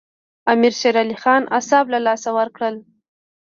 امیر شېر علي خان اعصاب له لاسه ورکړل.